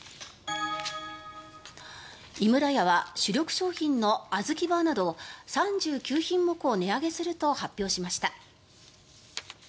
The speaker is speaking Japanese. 井村屋は主力商品のあずきバーなど３９品目を値上げすると発表しました。